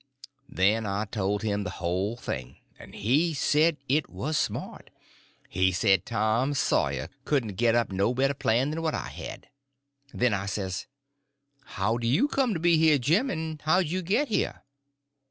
Then I told him the whole thing, and he said it was smart. He said Tom Sawyer couldn't get up no better plan than what I had. Then I says: "How do you come to be here, Jim, and how'd you get here?"